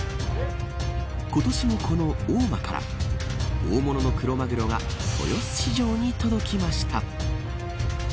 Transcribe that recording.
今年も、この大間から大物のクロマグロが豊洲市場に届きました。